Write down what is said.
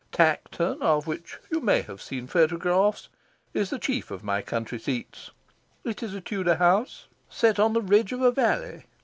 Tankerton, of which you may have seen photographs, is the chief of my country seats. It is a Tudor house, set on the ridge of a valley.